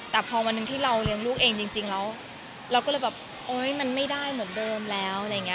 แต่พอวันหนึ่งที่เราเลี้ยงลูกเองจริงแล้วเราก็เลยแบบโอ๊ยมันไม่ได้เหมือนเดิมแล้วอะไรอย่างนี้